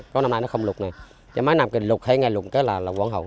có năm nay nó không lụt nè cái mấy năm cái lụt hay ngày lụt cái là quảng hồng